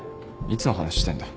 いつの話してんだ。